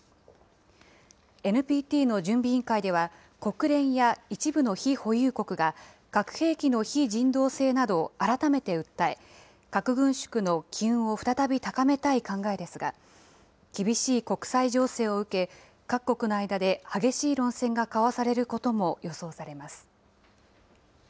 ＮＰＴの準備委員会では、国連や一部の非保有国が、核兵器の非人道性などを改めて訴え、核軍縮の機運を再び高めたい考えですが、厳しい国際情勢を受け、各国の間で激しい論戦が交わされることも予想されます。